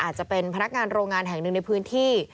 อาจจะเป็นพนักงานโรงงานแห่งหนึ่งในพื้นที่